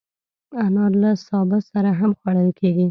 انار له سابه سره هم خوړل کېږي.